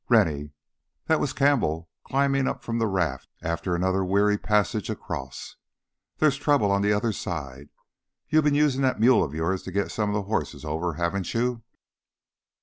"Rennie " That was Campbell climbing up from the raft after another weary passage across. "There's trouble on the other side. You've been using that mule of yours to get some of the horses over, haven't you?"